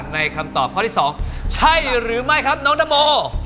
ในคำตอบเป็นข้อที่๒ใช่หรือไม่น้องนับโม